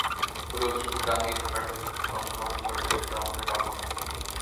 প্রতিবছর শুধু ত্রাণ দিয়েই সরকার সমস্যার সমাধান করবে, সেটাও আমাদের কাম্য নয়।